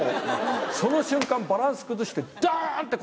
その瞬間バランス崩してドン！って